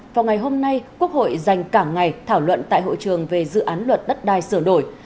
vào ngày hôm nay quốc hội dành cả ngày thảo luận tại hội trường về dự án luật đất đai sửa đổi